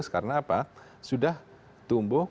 karena apa sudah tumbuh